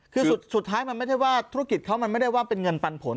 คือสุดท้ายมันไม่ใช่ว่าธุรกิจเขามันไม่ได้ว่าเป็นเงินปันผล